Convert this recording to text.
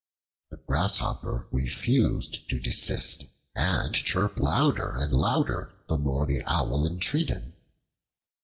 The Grasshopper refused to desist, and chirped louder and louder the more the Owl entreated.